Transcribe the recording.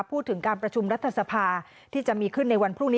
พูดถึงการประชุมรัฐสภาที่จะมีขึ้นในวันพรุ่งนี้